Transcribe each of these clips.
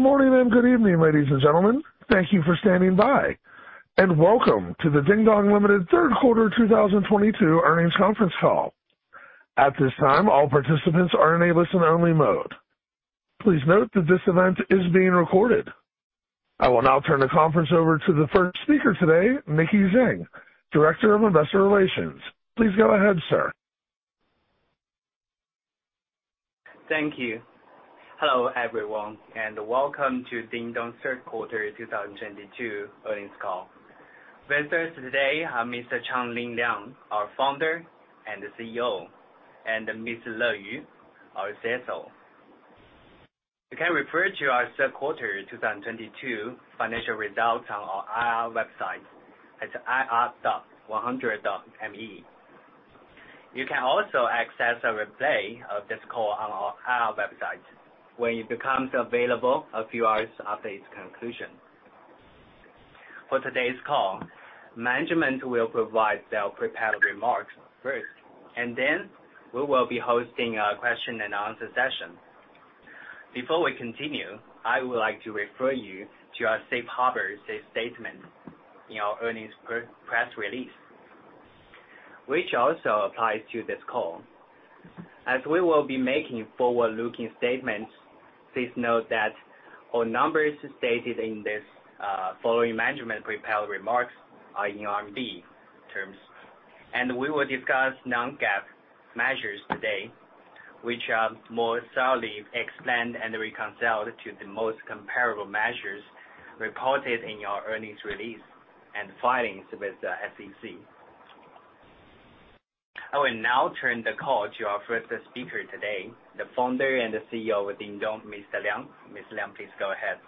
Good morning and good evening, ladies and gentlemen. Thank you for standing by, and welcome to the Dingdong Limited third quarter 2022 earnings conference call. At this time, all participants are in a listen only mode. Please note that this event is being recorded. I will now turn the conference over to the first speaker today, Nicky Zheng, Director of Investor Relations. Please go ahead, sir. Thank you. Hello, everyone, and welcome to Dingdong third quarter 2022 earnings call. Visitors today are Mr. Changlin Liang, our Founder and CEO, and Ms. Le Yu, our CSO. You can refer to our third quarter 2022 financial results on our IR website. It's ir.100.me. You can also access a replay of this call on our IR website when it becomes available a few hours after its conclusion. For today's call, management will provide their prepared remarks first, and then we will be hosting a question-and-answer session. Before we continue, I would like to refer you to our safe harbor statement in our earnings press release, which also applies to this call. As we will be making forward-looking statements, please note that our numbers stated in this following management prepared remarks are in RMB terms. We will discuss non-GAAP measures today, which are more solidly explained and reconciled to the most comparable measures reported in our earnings release and filings with the SEC. I will now turn the call to our first speaker today, the Founder and CEO of Dingdong, Mr. Liang. Mr. Liang, please go ahead.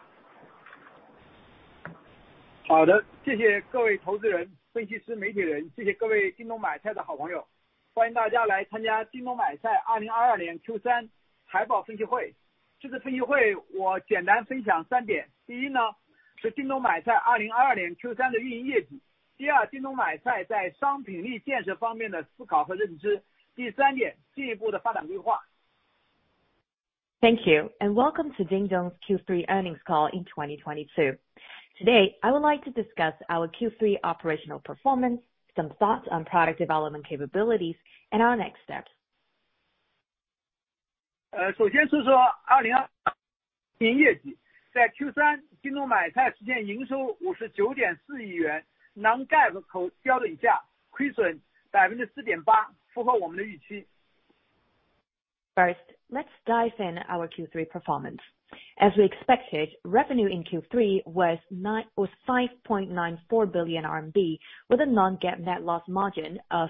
Thank you, and welcome to Dingdong's Q3 earnings call in 2022. Today, I would like to discuss our Q3 operational performance, some thoughts on product development capabilities, and our next steps. First, let's dive into our Q3 performance. As we expected, revenue in Q3 was 5.94 billion RMB with a non-GAAP net loss margin of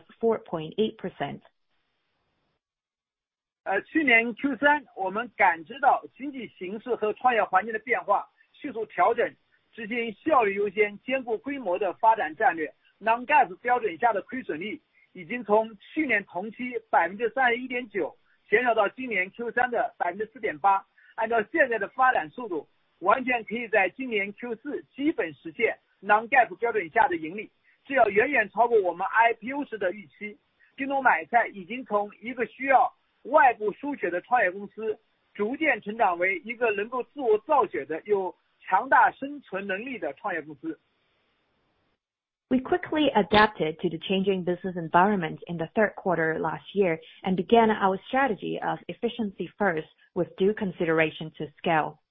We quickly adapted to the changing business environment in the third quarter last year and began our strategy of efficiency first with due consideration to scale.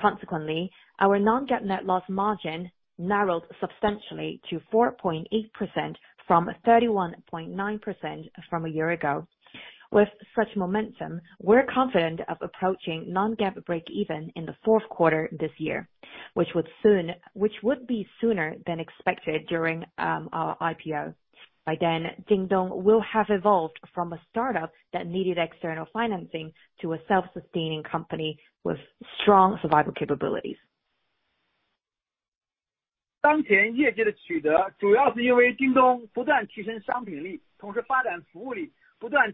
Consequently, our non-GAAP net loss margin narrowed substantially to 4.8% from 31.9% from a year ago. With such momentum, we're confident of approaching non-GAAP breakeven in the fourth quarter this year, which would be sooner than expected during our IPO. By then, Dingdong will have evolved from a startup that needed external financing to a self-sustaining company with strong survival capabilities. The key drivers of our achievement are our commitment to product development, service upgrades, and supply chain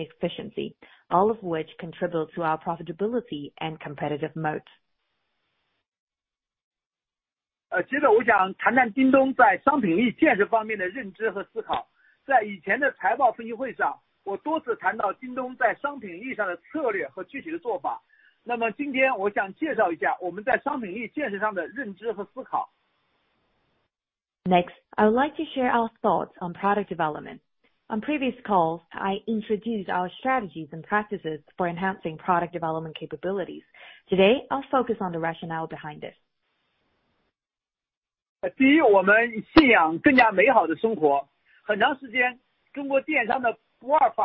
efficiency, all of which contribute to our profitability and competitive moat. Next, I would like to share our thoughts on product development. On previous calls, I introduced our strategies and practices for enhancing product development capabilities. Today, I'll focus on the rationale behind it. First,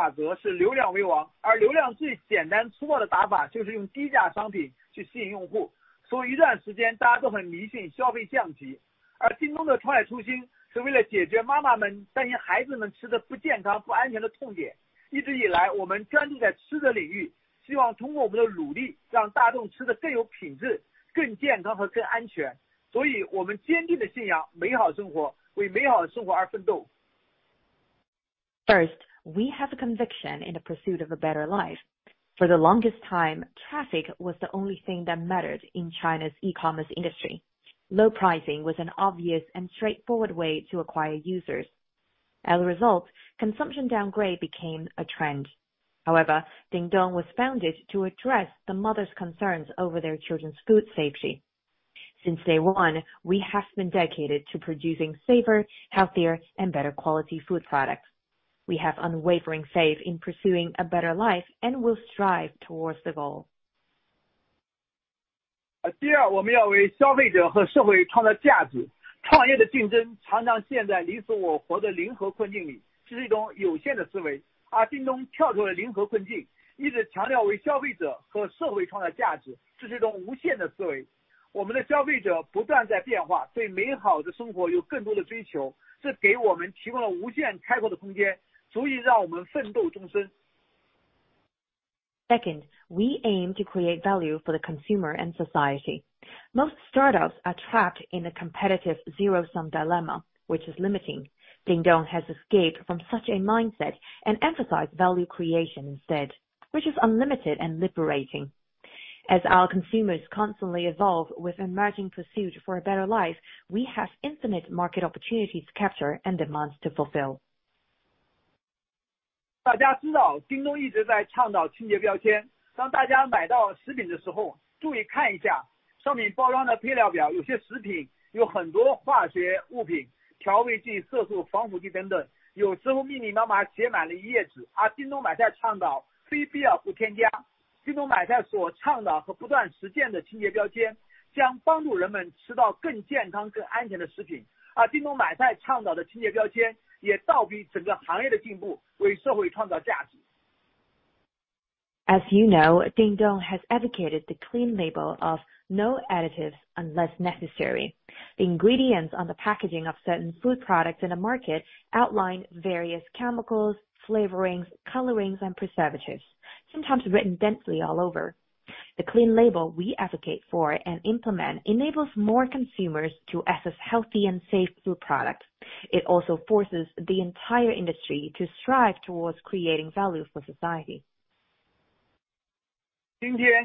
we have a conviction in the pursuit of a better life. For the longest time, traffic was the only thing that mattered in China's e-commerce industry. Low pricing was an obvious and straightforward way to acquire users. As a result, consumption downgrade became a trend. However, Dingdong was founded to address the mothers' concerns over their children's food safety. Since day one, we have been dedicated to producing safer, healthier, and better quality food products. We have unwavering faith in pursuing a better life and will strive towards the goal. Second, we aim to create value for the consumer and society. Most startups are trapped in a competitive zero-sum dilemma, which is limiting. Dingdong has escaped from such a mindset and emphasized value creation instead, which is unlimited and liberating. As our consumers constantly evolve with emerging pursuit for a better life, we have infinite market opportunities to capture and demands to fulfill. As you know, Dingdong has advocated the Clean label of no additives unless necessary. The ingredients on the packaging of certain food products in the market outline various chemicals, flavorings, colorings, and preservatives, sometimes written densely all over. The Clean label we advocate for and implement enables more consumers to access healthy and safe food products. It also forces the entire industry to strive towards creating value for society. Today,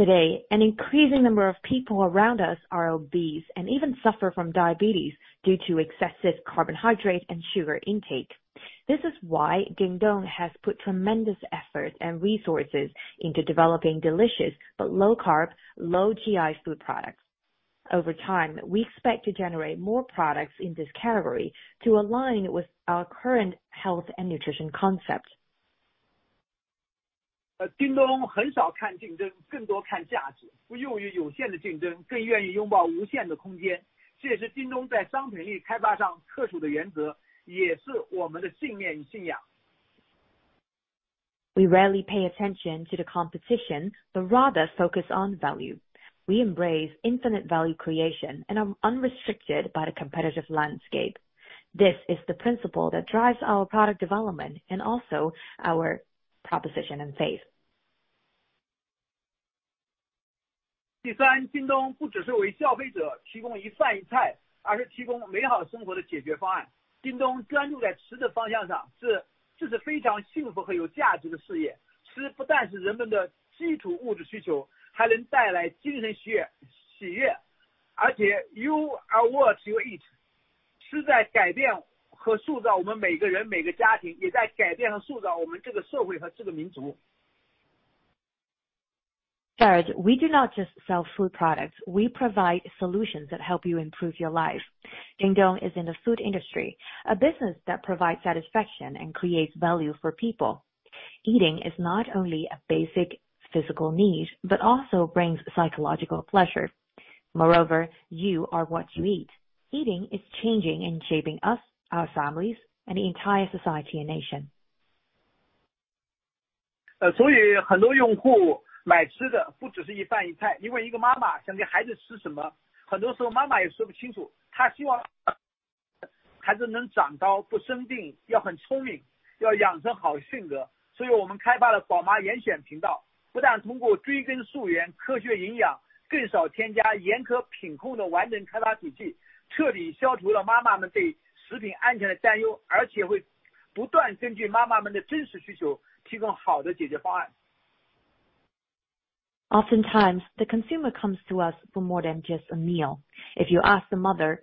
an increasing number of people around us are obese and even suffer from diabetes due to excessive carbohydrate and sugar intake. This is why Dingdong has put tremendous effort and resources into developing delicious but low-carb, low-GI food products. Over time, we expect to generate more products in this category to align with our current health and nutrition concept. We rarely pay attention to the competition, but rather focus on value. We embrace infinite value creation and are unrestricted by the competitive landscape. This is the principle that drives our product development and also our proposition and faith. Third, we do not just sell food products. We provide solutions that help you improve your life. Dingdong is in the food industry, a business that provides satisfaction and creates value for people. Eating is not only a basic physical need, but also brings psychological pleasure. Moreover, you are what you eat. Eating is changing and shaping us, our families, and the entire society and nation. Oftentimes, the consumer comes to us for more than just a meal. If you ask the mother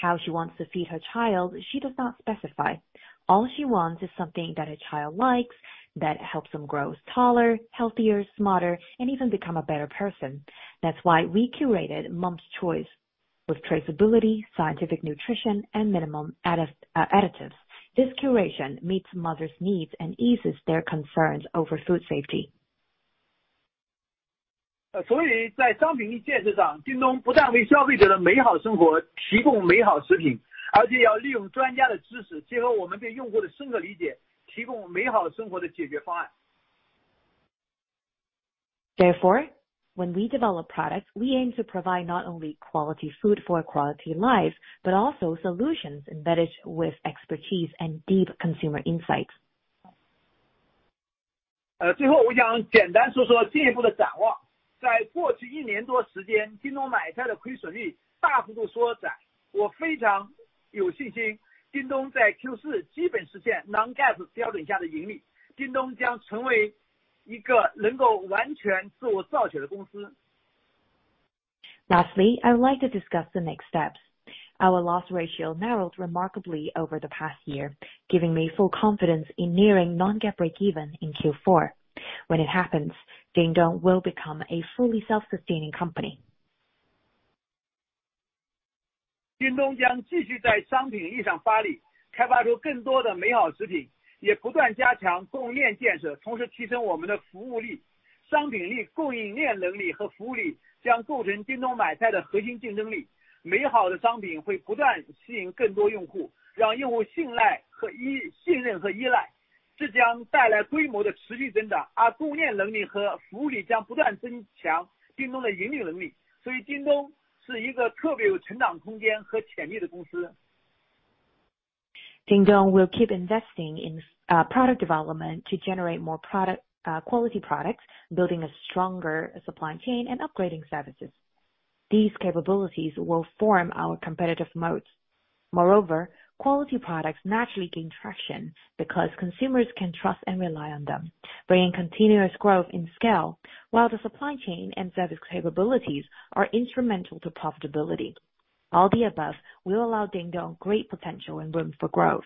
how she wants to feed her child, she does not specify. All she wants is something that her child likes that helps them grow taller, healthier, smarter, and even become a better person. That's why we curated Mom's Choice with traceability, scientific nutrition, and minimum additives. This curation meets mothers' needs and eases their concerns over food safety. 在商品建设上，叮咚不但为消费者的美好生活提供美好食品，而且要利用专家的知识，结合我们对用户的深刻理解，提供美好生活的解决方案。Therefore, when we develop products, we aim to provide not only quality food for a quality life, but also solutions embedded with expertise and deep consumer insights. 最后我想简单说说进一步的展望。在过去一年多时间，叮咚买菜的亏损率大幅度缩窄。我非常有信心，叮咚在Q4基本实现non-GAAP标准下的盈利。叮咚将成为一个能够完全自我造血的公司。Lastly, I would like to discuss the next steps. Our loss ratio narrowed remarkably over the past year, giving me full confidence in nearing non-GAAP breakeven in Q4. When it happens, Dingdong will become a fully self-sustaining company. 叮咚将继续在商品领域上发力，开发出更多的美好食品，也不断加强供应链建设，同时提升我们的服务力。商品力、供应链能力和服务力将构成叮咚买菜的核心竞争力。美好的商品会不断吸引更多用户，让用户信任和依赖，这将带来规模的持续增长，而供应链能力和服务力将不断增强叮咚的盈利能力。所以叮咚是一个特别有成长空间和潜力的公司。Dingdong will keep investing in product development to generate more quality products, building a stronger supply chain and upgrading services. These capabilities will form our competitive moats. Moreover, quality products naturally gain traction because consumers can trust and rely on them, bringing continuous growth in scale. While the supply chain and service capabilities are instrumental to profitability. All the above will allow Dingdong great potential and room for growth.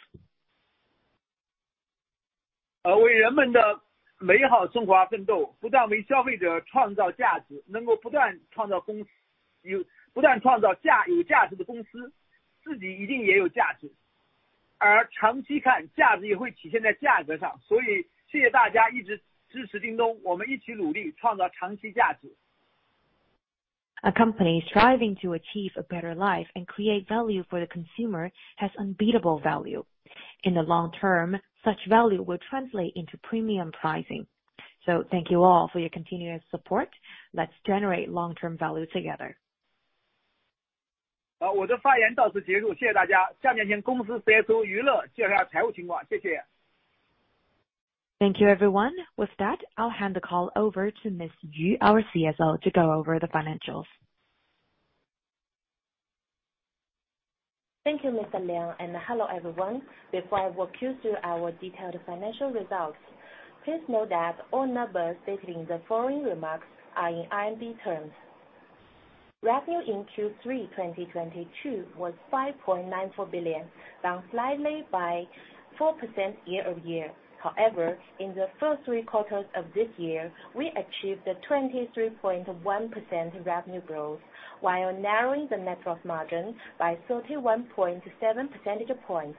A company striving to achieve a better life and create value for the consumer has unbeatable value. In the long-term such value will translate into premium pricing. Thank you all for your continuous support. Let's generate long term value together. 好，我的发言到此结束，谢谢大家。下面请公司CSO Le Yu介绍财务情况。谢谢。Thank you, everyone. With that I'll hand the call over to Miss Le Yu, our CSO, to go over the financials. Thank you, Mr. Liang, and hello everyone. Before I walk you through our detailed financial results, please note that all numbers stated in the following remarks are in RMB terms. Revenue in Q3 2022 was 5.94 billion, down slightly by 4% year-over-year. However, in the first three quarters of this year, we achieved a 23.1% revenue growth while narrowing the net profit margin by 31.7 percentage points.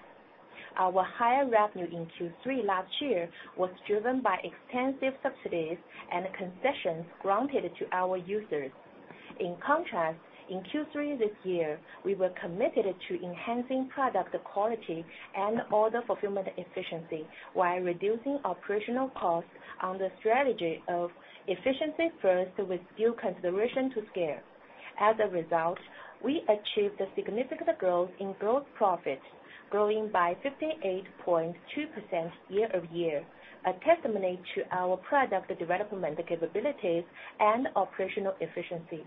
Our higher revenue in Q3 last year was driven by extensive subsidies and concessions granted to our users. In contrast, in Q3 this year we were committed to enhancing product quality and order fulfillment efficiency while reducing operational costs on the strategy of efficiency first with due consideration to scale. As a result, we achieved a significant growth in gross profit, growing by 58.2% year-over-year, a testimony to our product development capabilities and operational efficiency.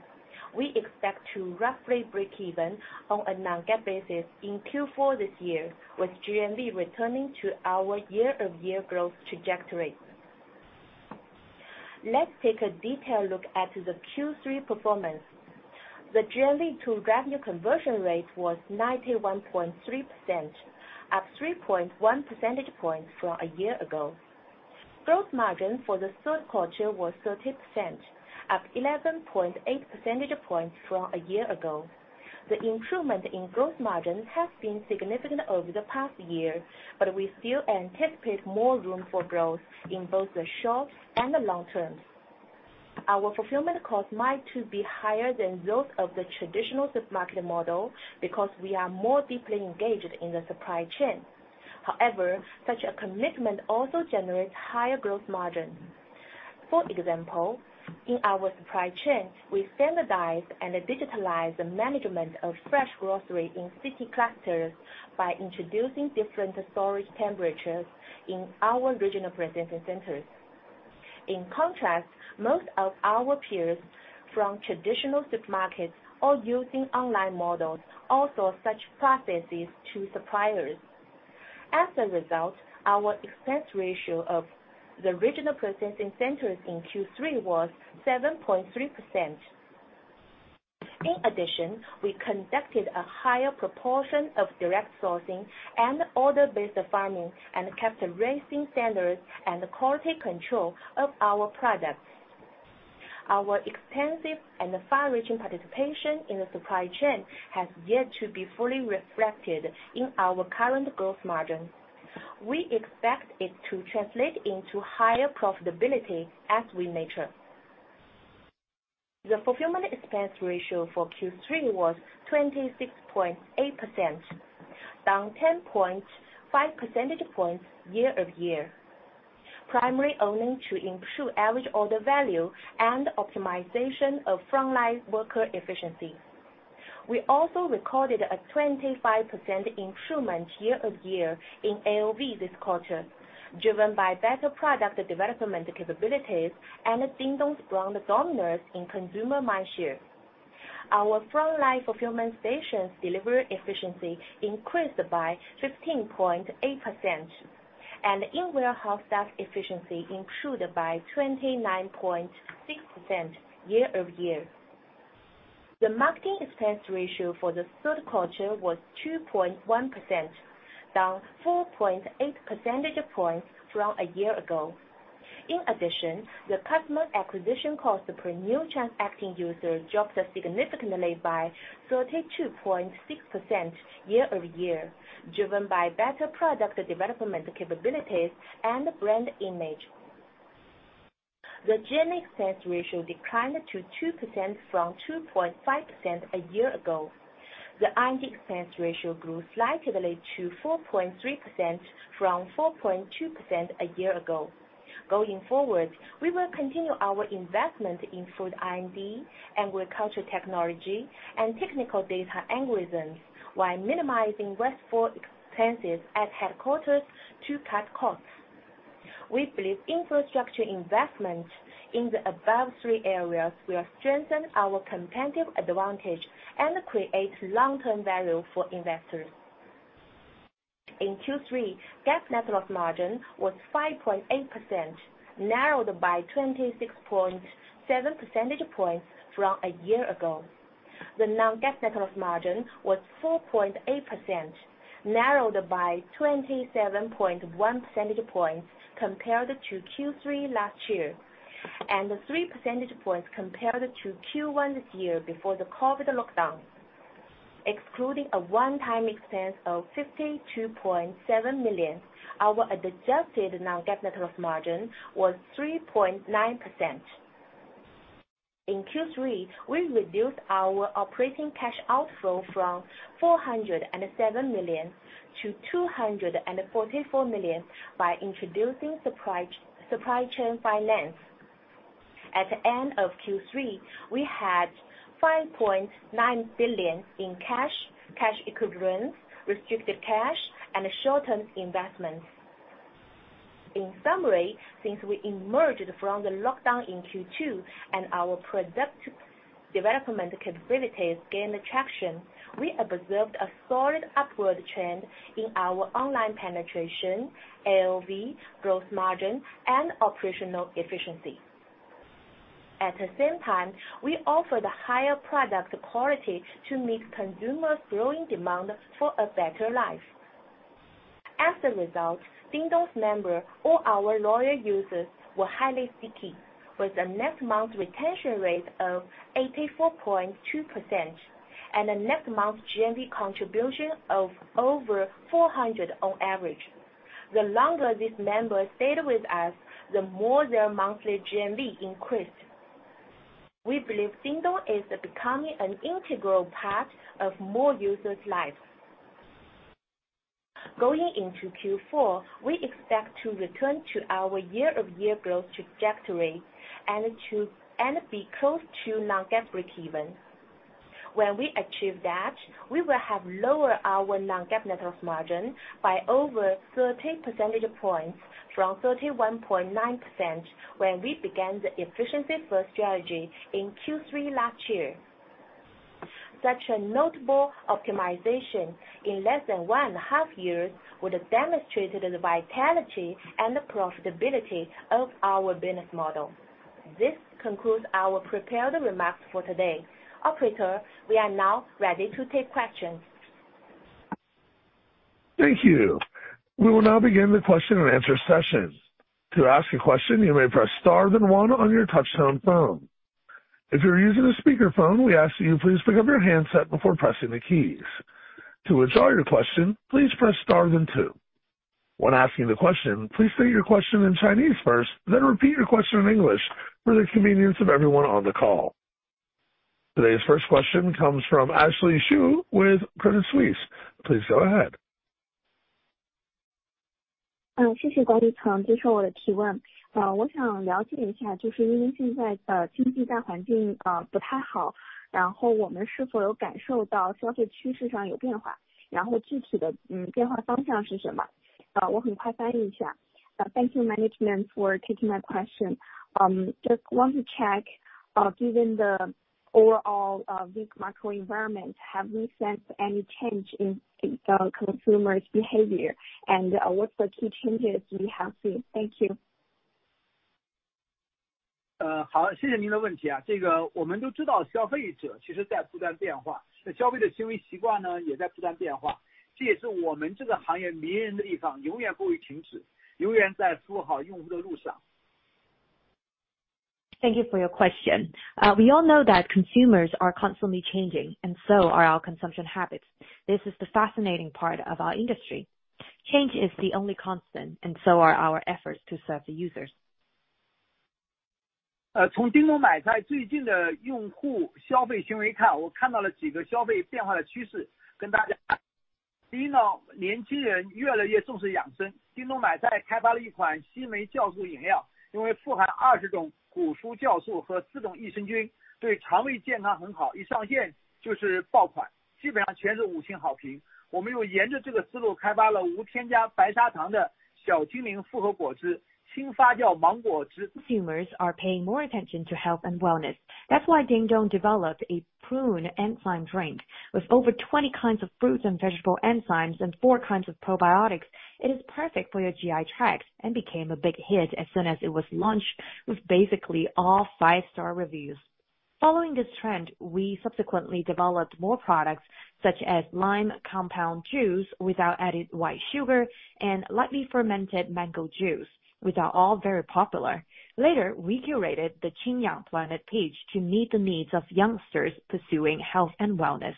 We expect to roughly breakeven on a non-GAAP basis in Q4 this year, with GMV returning to our year-over-year growth trajectory. Let's take a detailed look at the Q3 performance. The GMV to revenue conversion rate was 91.3%, up 3.1 percentage points from a year ago. Gross margin for the third quarter was 30% up 11.8 percentage points from a year ago. The improvement in gross margin has been significant over the past year, but we still anticipate more room for growth in both the short and the long term. Our fulfillment cost might be higher than those of the traditional supermarket model because we are more deeply engaged in the supply chain. However, such a commitment also generates higher gross margin. For example, in our supply chain we standardize and digitalize the management of fresh grocery in city clusters by introducing different storage temperatures in our regional processing centers. In contrast, most of our peers from traditional supermarkets or using online models outsource such processes to suppliers. As a result our expense ratio of the regional processing centers in Q3 was 7.3%. In addition we conducted a higher proportion of direct sourcing and order-based farming and kept raising standards and quality control of our products. The far-reaching participation in the supply chain has yet to be fully reflected in our current gross margin. We expect it to translate into higher profitability as we mature. The fulfillment expense ratio for Q3 was 26.8% down 10.5 percentage points year-over-year. Primarily owing to improved average order value and optimization of frontline worker efficiency. We also recorded a 25% improvement year-over-year in AOV this quarter driven by better product development capabilities and Dingdong's brand dominance in consumer mindshare. Our frontline fulfillment stations delivery efficiency increased by 15.8% and in-warehouse staff efficiency improved by 29.6% year-over-year. The marketing expense ratio for the third quarter was 2.1%, down 4.8 percentage points from a year ago. In addition the customer acquisition cost per new transacting user dropped significantly by 32.6% year-over-year, driven by better product development capabilities and brand image. The general expense ratio declined to 2% from 2.5% a year ago. The R&D expense ratio grew slightly to 4.3% from 4.2% a year ago. Going forward, we will continue our investment in food R&D agriculture technology, and technical data algorithms while minimizing wasteful expenses at headquarters to cut costs. We believe infrastructure investment in the above three areas will strengthen our competitive advantage and create long-term value for investors. In Q3, GAAP net loss margin was 5.8%, narrowed by 26.7 percentage points from a year ago. The non-GAAP net loss margin was 4.8%, narrowed by 27.1 percentage points compared to Q3 last year, and 3 percentage points compared to Q1 this year before the COVID lockdown. Excluding a one-time expense of 52.7 million our adjusted non-GAAP net loss margin was 3.9%. In Q3, we reduced our operating cash outflow from 407 million to 244 million by introducing supply chain finance. At the end of Q3 we had 5.9 billion in cash equivalents, restricted cash, and short-term investments. In summary, since we emerged from the lockdown in Q2 and our product development capabilities gained traction we observed a solid upward trend in our online penetration, AOV, growth margin, and operational efficiency. At the same time, we offered higher product quality to meet consumers' growing demand for a better life. As a result, Dingdong's members or our loyal users were highly sticky, with a net month retention rate of 84.2% and a net month GMV contribution of over 400 on average. The longer these members stayed with us, the more their monthly GMV increased. We believe Dingdong is becoming an integral part of more users' lives. Going into Q4, we expect to return to our year-over-year growth trajectory and be close to non-GAAP breakeven. When we achieve that, we will have lowered our non-GAAP net loss margin by over 30 percentage points from 31.9% when we began the efficiency first strategy in Q3 last year. Such a notable optimization in less than one and a half years would have demonstrated the vitality and the profitability of our business model. This concludes our prepared remarks for today. Operator, we are now ready to take questions. Thank you. We will now begin the question-and-answer session. To ask a question, you may press star then one on your touch-tone phone. If you are using a speakerphone, we ask that you please pick up your handset before pressing the keys. To withdraw your question, please press star then two. When asking the question, please state your question in Chinese first, then repeat your question in English for the convenience of everyone on the call. Today's first question comes from Ashley Xu with Credit Suisse. Please go ahead. Thank you, management, for taking my question. Just want to check, given the overall this macro environment, have we sensed any change in consumer's behavior? What's the key changes we have seen? Thank you. Thank you for your question. We all know that consumers are constantly changing and so are our consumption habits. This is the fascinating part of our industry. Change is the only constant and so are our efforts to serve the users. 从叮咚买菜最近的用户消费行为看，我看到了几个消费变化的趋势跟大家分享。第一呢，年轻人越来越重视养生。叮咚买菜开发了一款西梅酵素饮料，因为富含二十种果蔬酵素和四种益生菌，对肠胃健康很好，一上线就是爆款，基本上全是五星好评。我们又沿着这个思路开发了无添加白砂糖的小精灵复合果汁、轻发酵芒果汁。Consumers are paying more attention to health and wellness. That's why Dingdong developed a prune enzyme drink. With over 20 kinds of fruit and vegetable enzymes and four kinds of probiotics, it is perfect for your GI tract and became a big hit as soon as it was launched with basically all five-star reviews. Following this trend, we subsequently developed more products, such as lime compound juice without added white sugar and lightly fermented mango juice, which are all very popular. Later, we curated the Qingyang Planet page to meet the needs of youngsters pursuing health and wellness.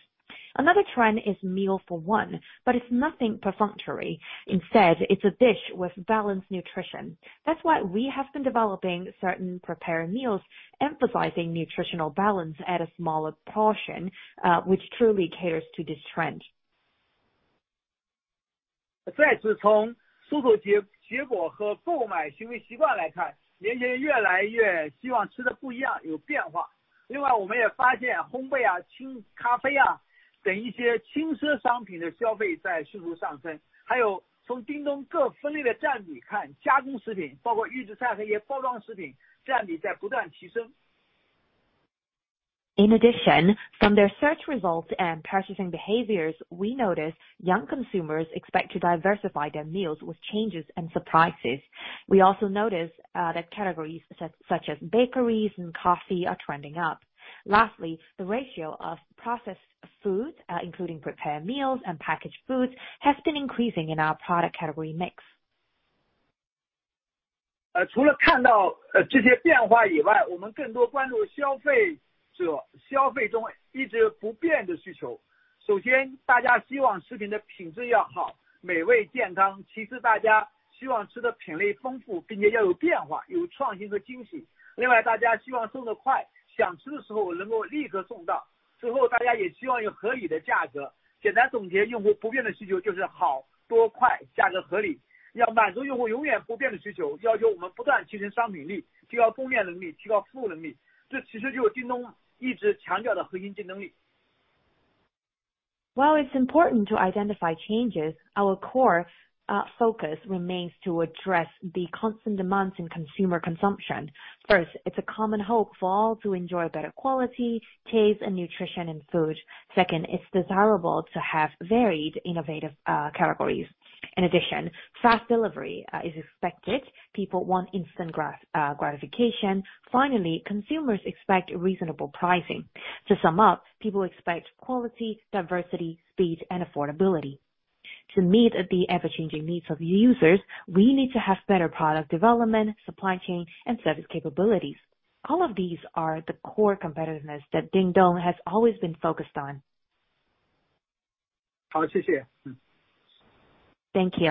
Another trend is meal for one, but it's nothing perfunctory. Instead, it's a dish with balanced nutrition. That's why we have been developing certain prepared meals, emphasizing nutritional balance at a smaller portion, which truly caters to this trend. In addition from their search results and purchasing behaviors, we notice young consumers expect to diversify their meals with changes and surprises. We also notice that categories such as bakeries and coffee are trending up. Lastly, the ratio of processed foods, including prepared meals and packaged foods, has been increasing in our product category mix. While it's important to identify changes, our core focus remains to address the constant demands in consumer consumption. First it's a common hope for all to enjoy better quality, taste and nutrition in food. Second it's desirable to have varied, innovative categories. In addition, fast delivery is expected. People want instant gratification. Finally consumers expect reasonable pricing. To sum up, people expect quality, diversity, speed, and affordability. To meet the ever-changing needs of users, we need to have better product development, supply chain, and service capabilities. All of these are the core competitiveness that Dingdong has always been focused on. 好，谢谢。Thank you. Thank you.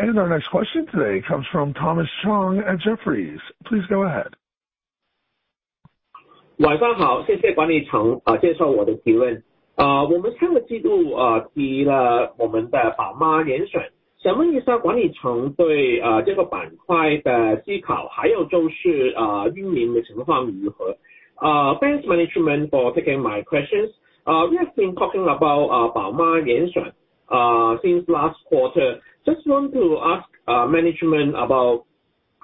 Our next question today comes from Thomas Chong at Jefferies. Please go ahead. 晚上好，谢谢管理层接受我的提问。我们上个季度提了我们的宝妈严选，想问一下管理层对这个板块的思考，还有重视，运营的情况如何？ Thanks, management, for taking my questions. We have been talking about 宝妈严选 since last quarter. Just want to ask management about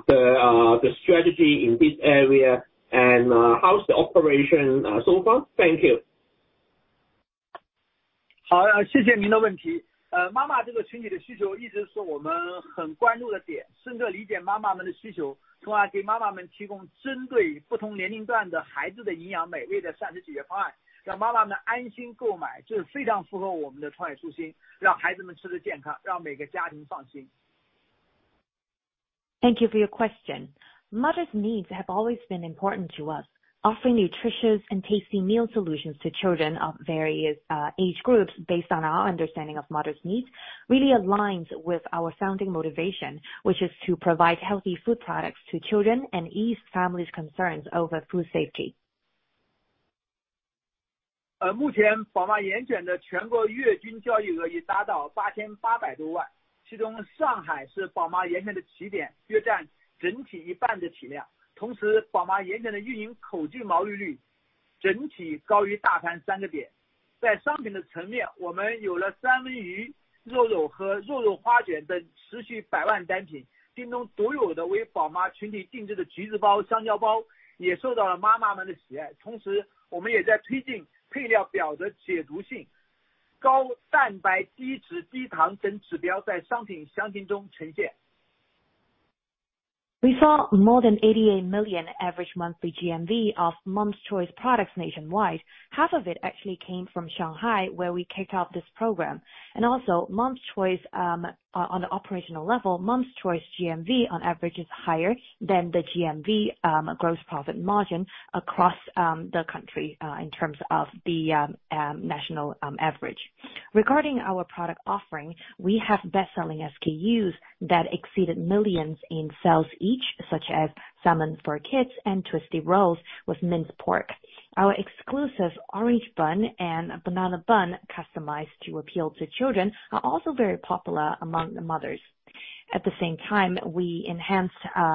the strategy in this area and how is the operation so far? Thank you. 好，谢谢您的问题。妈妈这个群体的需求一直是我们很关注的点，深刻理解妈妈们的需求，从而给妈妈们提供针对不同年龄段的孩子的营养美味的膳食解决方案，让妈妈们安心购买，这非常符合我们的创业初心，让孩子们吃得健康，让每个家庭放心。Thank you for your question. Mothers' needs have always been important to us. Offering nutritious and tasty meal solutions to children of various age groups based on our understanding of mothers' needs really aligns with our founding motivation which is to provide healthy food products to children and ease families' concerns over food safety. We saw more than 88 million average monthly GMV of Mom's Choice products nationwide. Half of it actually came from Shanghai, where we kicked off this program. Mom's Choice on the operational level, Mom's Choice GMV on average is higher than the GMV gross profit margin across the country in terms of the national average. Regarding our product offering, we have best-selling SKUs that exceeded millions in sales each, such as Salmon for kids and Twisty Rolls with minced pork. Our exclusive orange bun and banana bun customized to appeal to children are also very popular among the mothers. At the same time, we enhance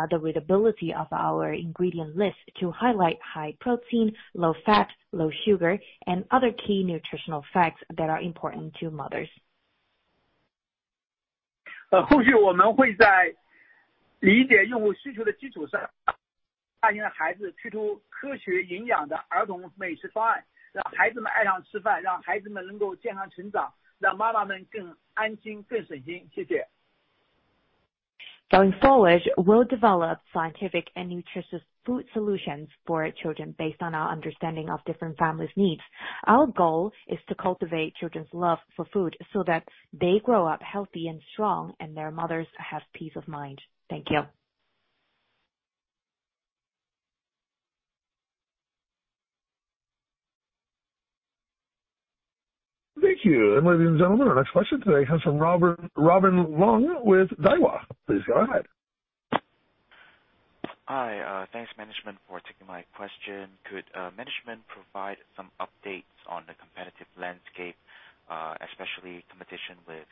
the readability of our ingredient list to highlight high protein, low-fat, low-sugar, and other key nutritional facts that are important to mothers. Going forward, we'll develop scientific and nutritious food solutions for children based on our understanding of different families' needs. Our goal is to cultivate children's love for food so that they grow up healthy and strong, and their mothers have peace of mind. Thank you. Thank you. Ladies and gentlemen, our next question today comes from Robin Leung with Daiwa. Please go ahead. Hi. Thanks management for taking my question. Could management provide some updates on the competitive landscape especially competition with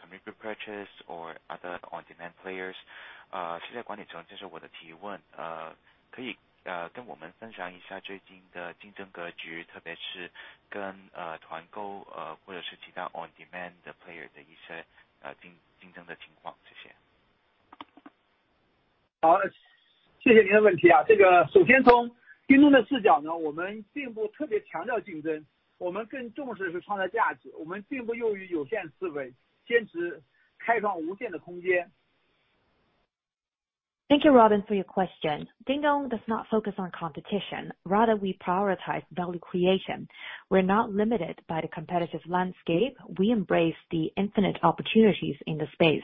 community purchase or other on-demand players? Thank you, Robin, for your question. Dingdong does not focus on competition. Rather, we prioritize value creation. We're not limited by the competitive landscape. We embrace the infinite opportunities in the space.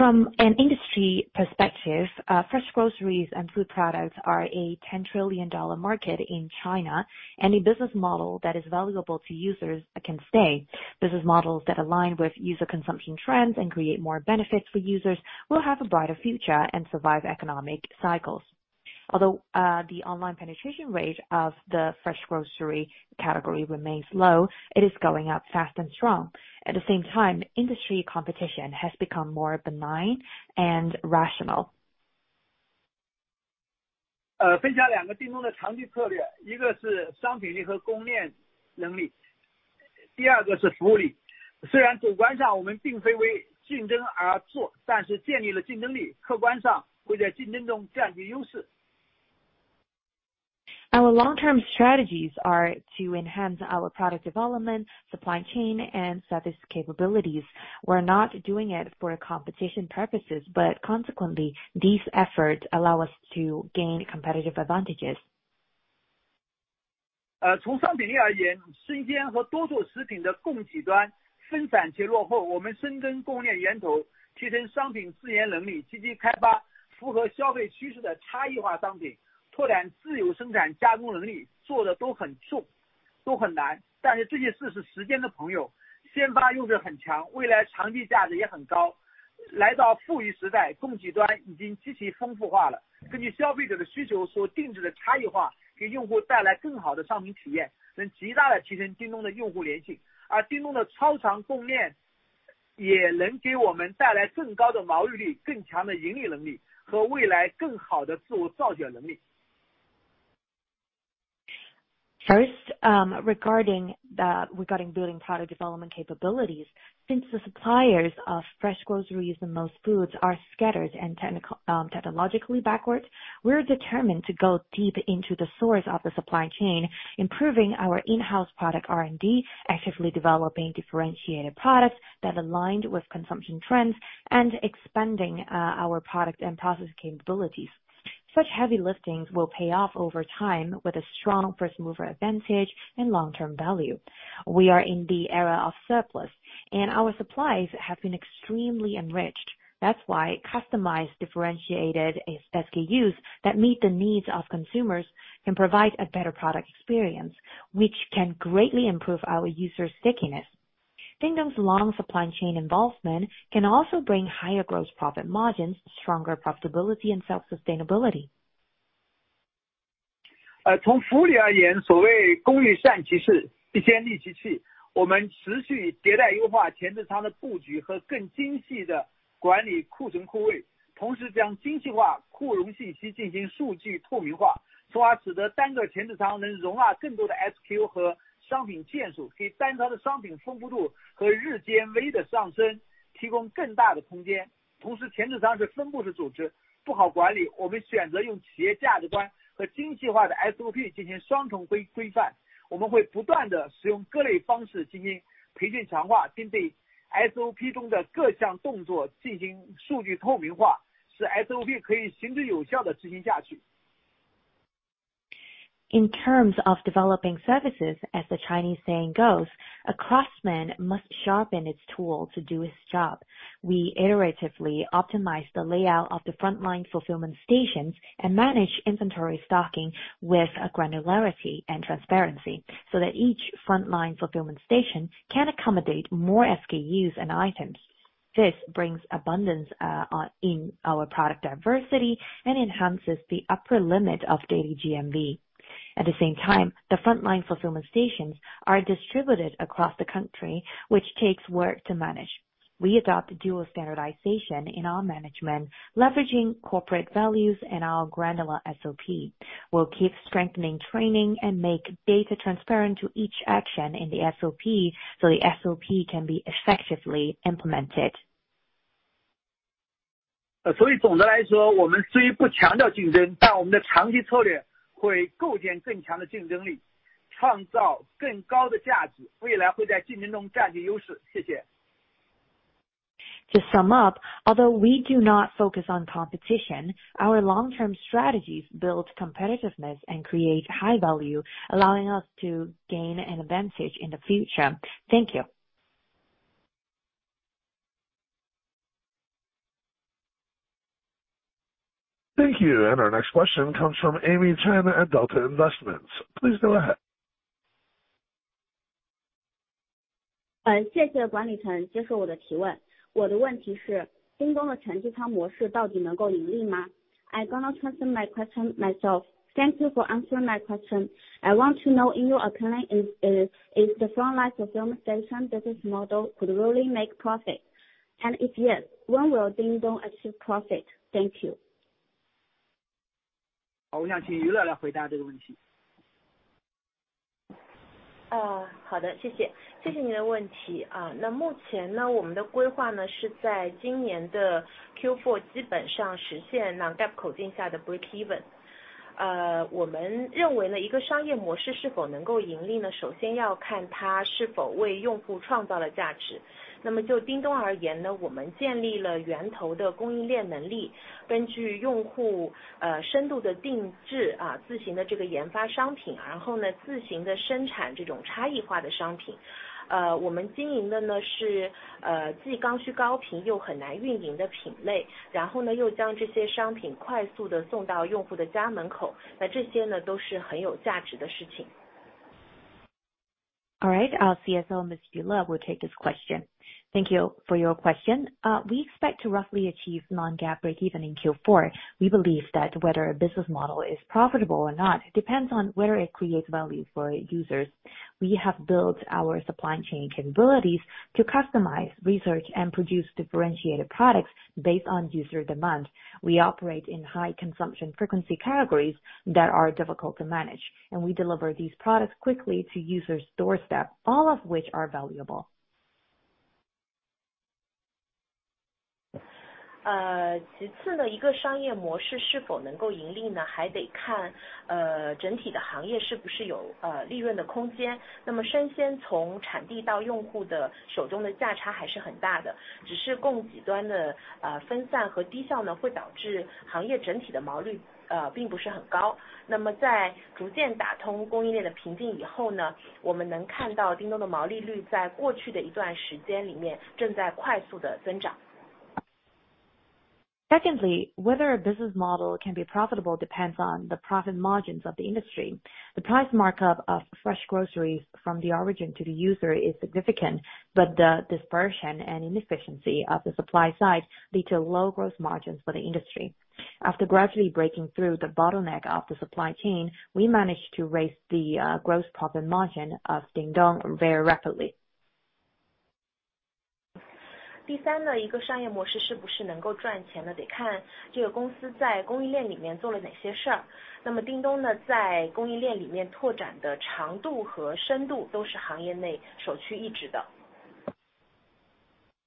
From an industry perspective fresh groceries and food products are a $10 trillion market in China, and a business model that is valuable to users can stay. Business models that align with user consumption trends and create more benefits for users will have a brighter future and survive economic cycles. Although the online penetration rate of the fresh grocery category remains low, it is going up fast and strong. At the same time, industry competition has become more benign and rational. Our long-term strategies are to enhance our product development, supply chain, and service capabilities. We're not doing it for competition purposes, but consequently, these efforts allow us to gain competitive advantages. First, regarding building product development capabilities. Since the suppliers of fresh groceries and most foods are scattered and technologically backwards, we're determined to go deep into the source of the supply chain improving our in-house product R&D, actively developing differentiated products that aligned with consumption trends, and expanding our product and process capabilities. Such heavy liftings will pay off over time with a strong first-mover advantage and long-term value. We are in the era of surplus and our supplies have been extremely enriched. That's why customized, differentiated SKUs that meet the needs of consumers can provide a better product experience, which can greatly improve our user stickiness. Dingdong's long supply chain involvement can also bring higher gross profit margins, stronger profitability, and self-sustainability. In terms of developing services, as the Chinese saying goes, "A craftsman must sharpen his tool to do his job." We iteratively optimize the layout of the frontline fulfillment stations and manage inventory stocking with a granularity and transparency so that each frontline fulfillment station can accommodate more SKUs and items. This brings abundance in our product diversity and enhances the upper limit of daily GMV. At the same time, the frontline fulfillment stations are distributed across the country, which takes work to manage. We adopt dual standardization in our management, leveraging corporate values and our granular SOP. We'll keep strengthening training and make data transparent to each action in the SOP so the SOP can be effectively implemented. 所以总的来说，我们虽不强调竞争，但我们的长期策略会构建更强的竞争力，创造更高的价值，未来会在竞争中占据优势。谢谢。To sum up although we do not focus on competition, our long-term strategies build competitiveness and create high value, allowing us to gain an advantage in the future. Thank you. Thank you. Our next question comes from Amy Chen at Delta Investments. Please go ahead. 谢谢管理层接受我的提问。我的问题是叮咚的前置仓模式到底能够盈利吗？I gonna translate my question myself. Thank you for answering my question. I want to know in your opinion is the frontline fulfillment station business model could really make profit? And if yes, when will Dingdong achieve profit? Thank you. 好，我想请瑜乐来回答这个问题。好的，谢谢。谢谢你的问题。那目前呢，我们的规划呢，是在今年的Q4基本上实现non-GAAP口径下的break even。我们认为呢，一个商业模式是否能够盈利呢，首先要看它是否为用户创造了价值。那么就叮咚而言呢，我们建立了源头的供应链能力，根据用户深度的定制，自行的这个研发商品，然后呢自行的生产这种差异化的商品，我们经营的呢是既刚需高频又很难运营的品类，然后呢又将这些商品快速地送到用户的家门口，那这些呢都是很有价值的事情。All right. Our CSO, Ms. Le Yu, will take this question. Thank you for your question. We expect to roughly achieve non-GAAP breakeven in Q4. We believe that whether a business model is profitable or not depends on whether it creates value for users. We have built our supply chain capabilities to customize, research, and produce differentiated products based on user demand. We operate in high consumption frequency categories that are difficult to managand we deliver these products quickly to users' doorstep, all of which are valuable. Secondly, whether a business model can be profitable depends on the profit margins of the industry. The price markup of fresh groceries from the origin to the user is significant, but the dispersion and inefficiency of the supply side lead to low gross margins for the industry. After gradually breaking through the bottleneck of the supply chain we managed to raise the gross profit margin of Dingdong very rapidly. 第三呢，一个商业模式是不是能够赚钱呢，得看这个公司在供应链里面做了哪些事。那么叮咚呢在供应链里面拓展的长度和深度都是行业内首屈一指的。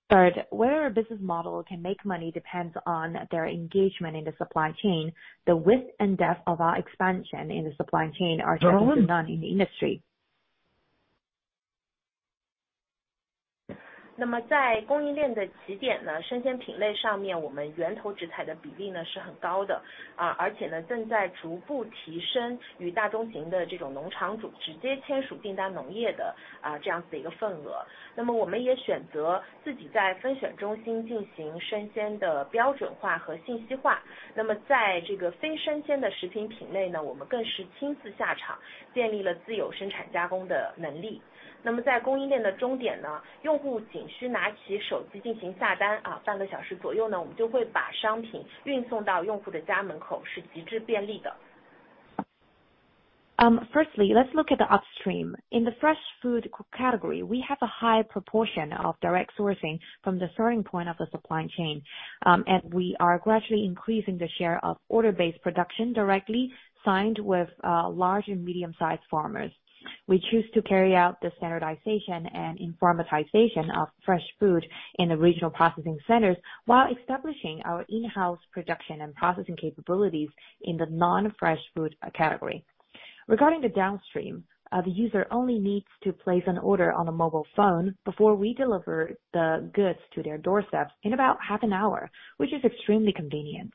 Third, whether a business model can make money depends on their engagement in the supply chain. The width and depth of our expansion in the supply chain are second to none in the industry. Firstly, let's look at the upstream. In the fresh food category, we have a high proportion of direct sourcing from the starting point of the supply chain, and we are gradually increasing the share of order-based production directly signed with large and medium-sized farmers. We choose to carry out the standardization and informatization of fresh food in the regional processing centers while establishing our in-house production and processing capabilities in the non-fresh food category. Regarding the downstream, the user only needs to place an order on a mobile phone before we deliver the goods to their doorsteps in about half an hour, which is extremely convenient.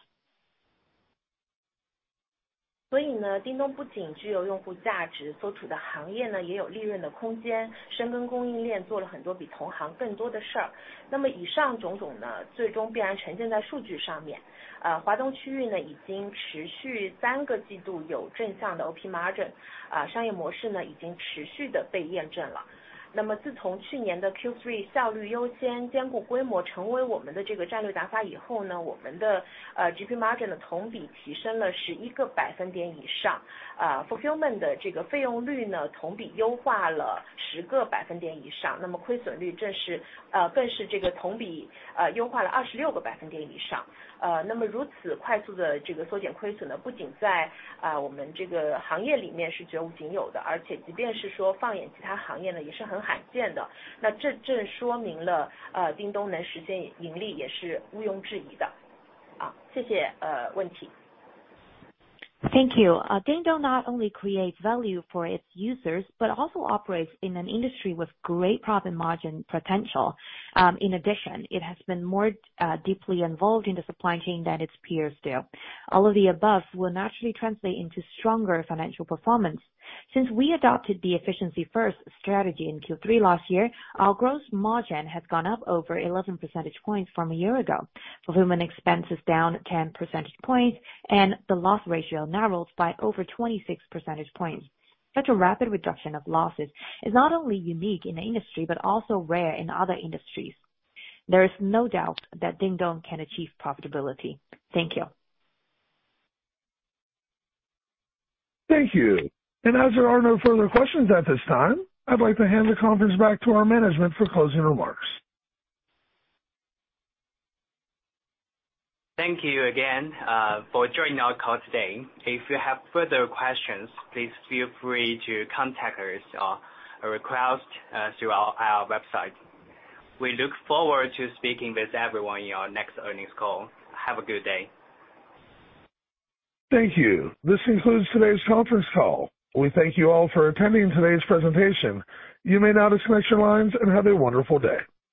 Thank you. Dingdong not only creates value for its users but also operates in an industry with great profit margin potential. In addition, it has been more deeply involved in the supply chain than its peers do. All of the above will naturally translate into stronger financial performance. Since we adopted the efficiency first strategy in Q3 last year, our gross margin has gone up over 11 percentage points from a year ago. Fulfillment expense is down 10 percentage points, and the loss ratio narrows by over 26 percentage points. Such a rapid reduction of losses is not only unique in the industry, but also rare in other industries. There is no doubt that Dingdong can achieve profitability. Thank you. Thank you. As there are no further questions at this time, I'd like to hand the conference back to our management for closing remarks. Thank you again for joining our call today. If you have further questions please feel free to contact us or request through our website. We look forward to speaking with everyone in our next earnings call. Have a good day. Thank you. This concludes today's conference call. We thank you all for attending today's presentation. You may now disconnect your lines and have a wonderful day.